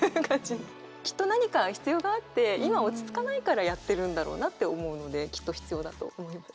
きっと何か必要があって今落ち着かないからやってるんだろうなって思うのできっと必要だと思います。